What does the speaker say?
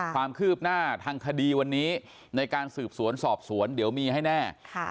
ความคืบหน้าทางคดีวันนี้ในการสืบสวนสอบสวนเดี๋ยวมีให้แน่